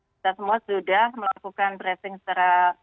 kita semua sudah melakukan tracing secara